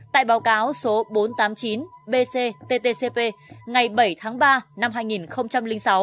tại báo cáo số bốn trăm tám mươi chín bcttcp ngày bảy tháng ba năm hai nghìn sáu